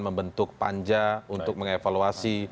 membentuk panja untuk mengevaluasi